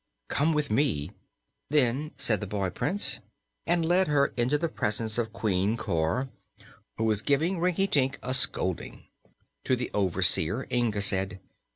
"Come with me," then said the boy Prince, and led her into the presence of Queen Cor, who was giving Rinkitink a scolding. To the overseer Inga said.